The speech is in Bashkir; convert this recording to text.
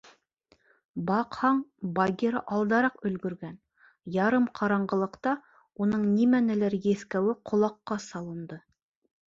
Баҡһаң, Багира алдараҡ өлгөргән, ярым ҡараңғылыҡта уның нимәнелер еҫкәүе ҡолаҡҡа салынды.